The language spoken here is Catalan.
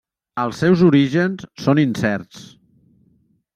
Els seus orígens són incerts.